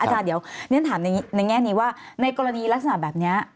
อาจารย์เดี๋ยวเรียนถามในแง่นี้ว่าในกรณีลักษณะแบบนี้